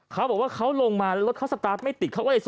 เขาบอกว่าเขาลงมารถเขาสตาร์ทไม่ติดเขาก็เลย